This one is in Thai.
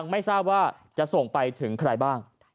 ไม่ทราบว่าจะส่งไปถึงใครบ้าง